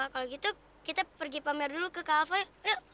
kalau gitu kita pergi pamer dulu ke kak alva yuk